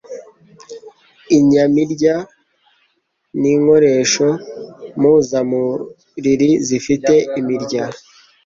inyamirya ni inkoresho mpuzamuriri zifite imirya.